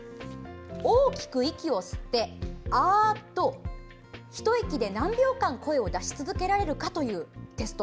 大きく息を吸って、「あー」と一息で何秒間、声を出し続けられるかというテスト。